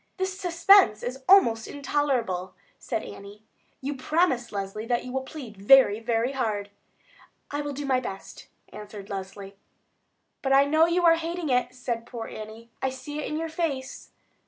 "This suspense is almost intolerable," said Annie. "You promise, Leslie, that you will plead very, very hard." "I will do my best," answered Leslie. "But I know you are hating it," said poor Annie. "I see it in your face."